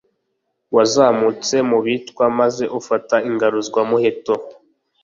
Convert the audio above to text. Wazamutse mu bitwa maze ufata ingaruzwamuheto